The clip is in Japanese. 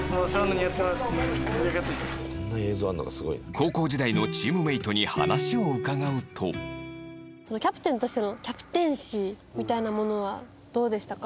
高校時代のチームメイトに話を伺うとキャプテンとしてのキャプテンシーみたいなものはどうでしたか？